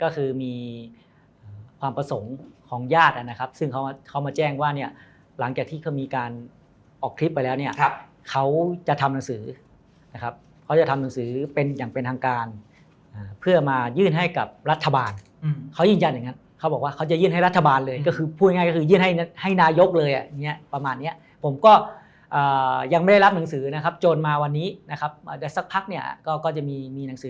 ก็คือมีความประสงค์ของญาตินะครับซึ่งเขามาแจ้งว่าเนี่ยหลังจากที่เขามีการออกคลิปไปแล้วเนี่ยเขาจะทำหนังสือนะครับเขาจะทำหนังสือเป็นอย่างเป็นทางการเพื่อมายื่นให้กับรัฐบาลเขายืนยันอย่างนั้นเขาบอกว่าเขาจะยื่นให้รัฐบาลเลยก็คือพูดง่ายก็คือยื่นให้ให้นายกเลยอ่ะประมาณเนี้ยผมก็ยังไม่ได้รับหนังสือนะครับจนมาวันนี้นะครับอาจจะสักพักเนี่ยก็จะมีมีหนังสือ